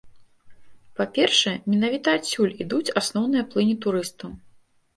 Па-першае, менавіта адсюль ідуць асноўныя плыні турыстаў.